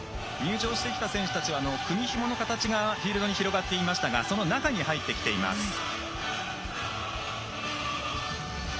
入場してきた選手たちは組みひもの形がフィールドに広がっていましたがその中に入ってきています。